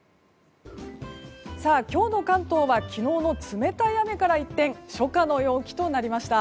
今日の関東は昨日の冷たい雨から一転初夏の陽気となりました。